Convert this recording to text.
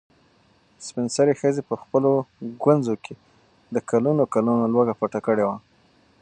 سپین سرې ښځې په خپلو ګونځو کې د کلونو کلونو لوږه پټه کړې وه.